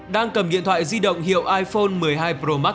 đang cầm điện thoại di động hiệu iphone một mươi hai pro max